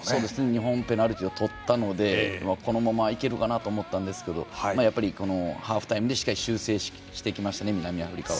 ２本ペナルティーをとったのでこのままいけるかと思ったんですがハーフタイムでしっかり修正してきましたね南アフリカは。